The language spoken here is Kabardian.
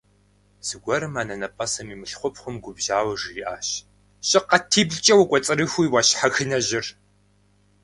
Зэгуэрым анэнэпӀэсым и мылъхупхъум губжьауэ жриӀащ: – ЩӀыкъатиблкӀэ укӀуэцӀрыхуи уэ щхьэхынэжьыр!